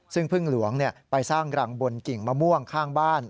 ซึ่งพึ่งหลวงไปสร้างรังบนกิ่งมะม่วงข้างบ้าน